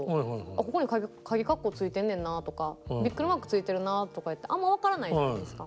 ここにかぎ括弧ついてんねんなとかビックリマークついてるなとかあんま分からないじゃないですか。